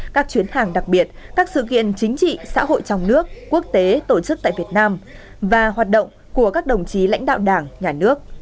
các chuyến hàng đặc biệt các sự kiện chính trị xã hội trong nước quốc tế tổ chức tại việt nam và hoạt động của các đồng chí lãnh đạo đảng nhà nước